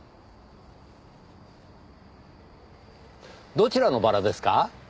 どちらのバラですか？